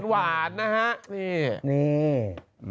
หวานนะฮะ